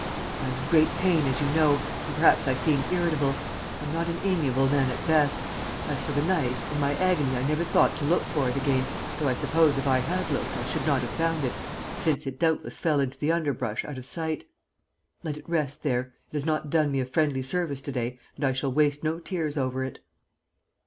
"I am in great pain, as you know, and perhaps I seem irritable. I'm not an amiable man at best; as for the knife, in my agony I never thought to look for it again, though I suppose if I had looked I should not have found it, since it doubtless fell into the underbrush out of sight. Let it rest there. It has not done me a friendly service to day and I shall waste no tears over it."